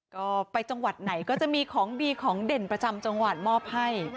ก็ไปจังหวัดไหนก็จะมีของดีของเด่นประจำจังหวัดมอบให้